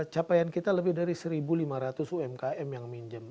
capaian kita lebih dari satu lima ratus umkm yang minjem